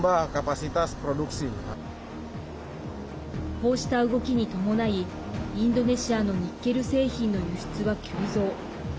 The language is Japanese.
こうした動きに伴いインドネシアのニッケル製品の輸出は急増。